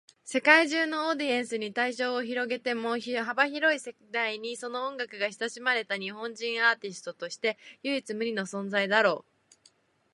世界中のオーディエンスに対象を広げても、幅広い世代にその音楽が親しまれた日本人アーティストとして唯一無二の存在だろう。